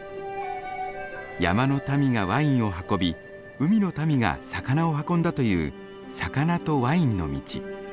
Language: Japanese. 山の民がワインを運び海の民が魚を運んだという魚とワインの道。